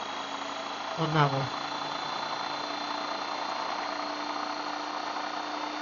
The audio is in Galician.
O nabo.